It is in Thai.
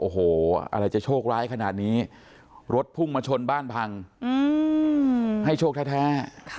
โอ้โหอะไรจะโชคร้ายขนาดนี้รถพุ่งมาชนบ้านพังให้โชคแท้